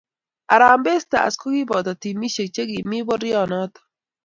Harambee Stars ko kiboto timishe che kimii borionoto.